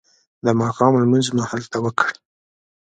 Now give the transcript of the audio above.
د ماښام لمونځ مو هلته وکړ.